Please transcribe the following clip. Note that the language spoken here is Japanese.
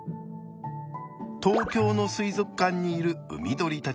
東京の水族館にいる海鳥たちです。